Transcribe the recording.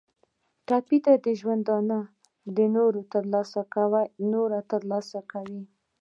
ټپي د ژوندانه نور له لاسه ورکوي.